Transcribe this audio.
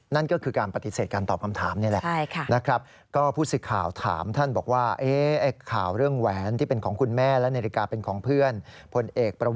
นั่นก็คือการปฏิเสธการตอบคำถามนี่แหละ